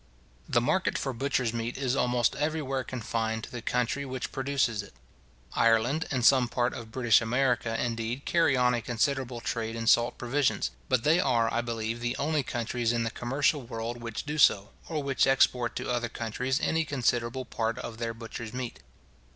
The market for butcher's meat is almost everywhere confined to the country which produces it. Ireland, and some part of British America, indeed, carry on a considerable trade in salt provisions; but they are, I believe, the only countries in the commercial world which do so, or which export to other countries any considerable part of their butcher's meat.